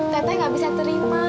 teteh nggak bisa terima